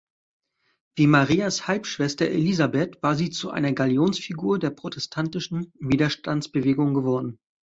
Wie Marias Halbschwester Elisabeth war sie zu einer Galionsfigur der protestantischen Widerstandsbewegung geworden.